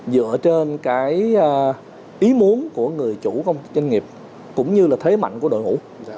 dựa trên cái ý muốn của người chủ doanh nghiệp cũng như là thế mạnh của đội ngũ